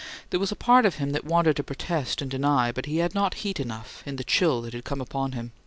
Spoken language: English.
There was a part of him that wanted to protest and deny, but he had not heat enough, in the chill that had come upon him.